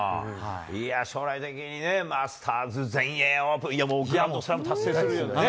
いや、将来的にね、マスターズ、全英オープン、いや、もう、達成するよね。